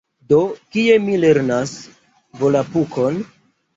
Do, kie mi lernas Volapukon?